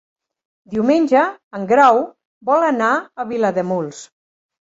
Diumenge en Grau vol anar a Vilademuls.